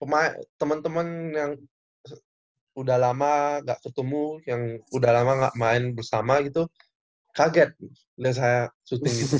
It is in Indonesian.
cuma teman teman yang udah lama gak ketemu yang udah lama gak main bersama gitu kaget dan saya syuting gitu